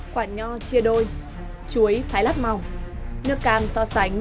quả nho chia đôi chuối thái lát mỏng nước can so sánh